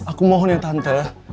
aku mohon ya tante